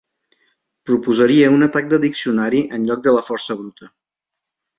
Proposaria un atac de diccionari en lloc de la força bruta.